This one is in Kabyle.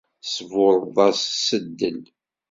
Tesburreḍ-as s ddel.